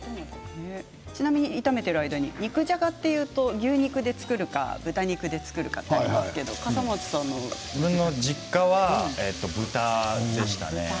炒めている間に肉じゃがというと牛肉で作るか豚肉で作るかとありますけれども笠松さんの家は？